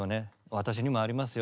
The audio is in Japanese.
私にもありますよ。